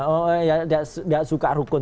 oh ya gak suka hukum